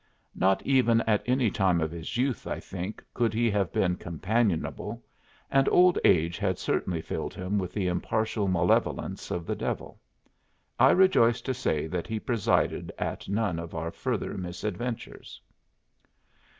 Not even at any time of his youth, I think, could he have been companionable, and old age had certainly filled him with the impartial malevolence of the devil. I rejoice to say that he presided at none of our further misadventures.